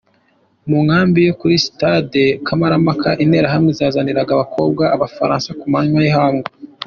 Mu nkambi yari kuri Sitade Kamarampaka, Interahamwe zazaniraga abakobwa abafaransa ku manywa y’ihangu.